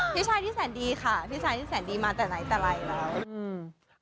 พี่ชายที่แสนดีค่ะพี่ชายนี่แสนดีมาแต่ไหนแต่ไรแล้วอืม